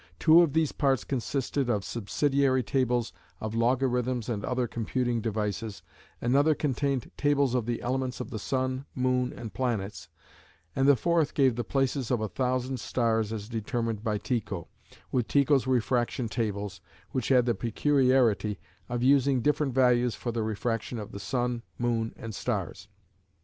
Two of these parts consisted of subsidiary Tables, of logarithms and other computing devices, another contained Tables of the elements of the sun, moon, and planets, and the fourth gave the places of a thousand stars as determined by Tycho, with Tycho's refraction Tables, which had the peculiarity of using different values for the refraction of the sun, moon, and stars.